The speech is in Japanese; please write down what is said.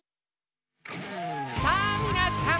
さぁみなさん！